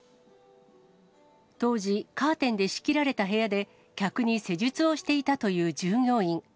当時、カーテンで仕切られた部屋で客に施術をしていたという従業員。